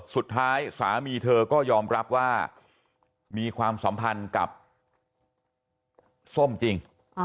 สามีเธอก็ยอมรับว่ามีความสัมพันธ์กับส้มจริง